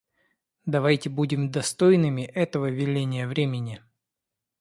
Давайте будем достойными этого веления времени.